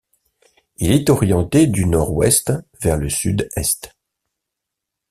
Il est orienté du nord ouest vers le sud-est.